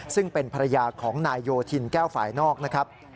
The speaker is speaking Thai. ซึ่งเป็นภรรยาของนายโยธินแก้วฝ่ายนอกนะครับ